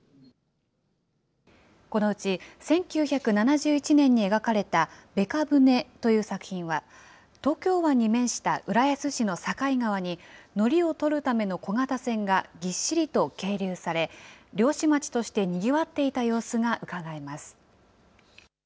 このうち１９７１年に描かれたベカ舟という作品は、東京湾に面した浦安市の境川に、のりを取るための小型船がぎっしりと係留され、漁師町としてにぎわっていた様子がうかがえます。